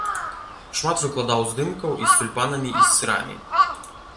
Шмат выкладаў здымках і з цюльпанамі, і з сырамі.